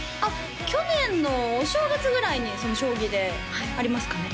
去年のお正月ぐらいにその将棋でありますかね